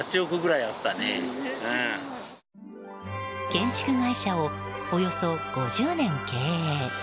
建築会社をおよそ５０年経営。